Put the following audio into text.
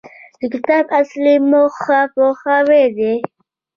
د کتاب اصلي موخه پوهاوی دی.